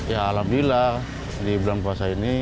ya alhamdulillah di bulan puasa ini